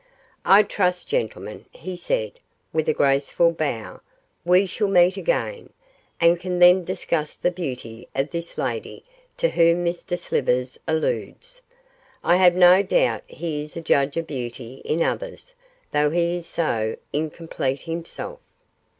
'I trust, gentlemen,' he said, with a graceful bow, 'we shall meet again, and can then discuss the beauty of this lady to whom Mr Slivers alludes. I have no doubt he is a judge of beauty in others, though he is so incomplete himself.